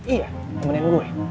iya temenin gue